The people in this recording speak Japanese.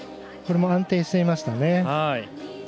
これも安定していましたね。